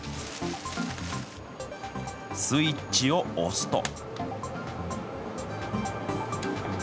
スイッチを押すと。